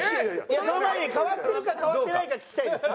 その前に変わってるか変わってないか聞きたいですか？